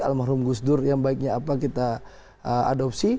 almarhum gusdur yang baiknya apa kita adopsi